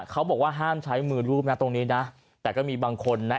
เขาบอกว่าห้ามใช้มือรูปนะตรงนี้นะแต่ก็มีบางคนนะ